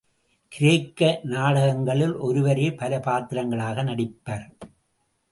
கிரேக்க நாடகங்களில் ஒருவரே பல பாத்திரங்களாக நடிப்பர்.